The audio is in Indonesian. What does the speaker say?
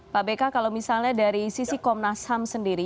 pak beka kalau misalnya dari sisi komnas ham sendiri